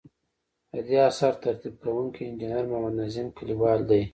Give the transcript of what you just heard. ددې اثر ترتیب کوونکی انجنیر محمد نظیم کلیوال دی.